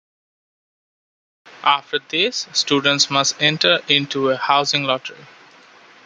After this, students must enter into a housing lottery.